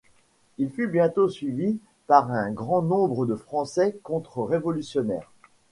Il fut bientôt suivi par un grand nombre de Français contre-révolutionnaires.